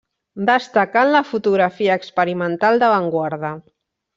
Destacà en la fotografia experimental d'avantguarda.